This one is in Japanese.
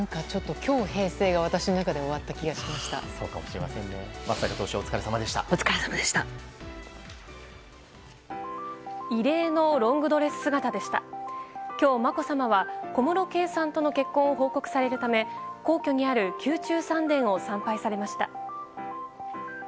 今日、まこさまは小室圭さんとの結婚を奉告されるため皇居にある宮中三殿を参拝されました。